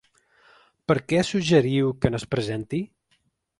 Per què suggeriu que no es presenti?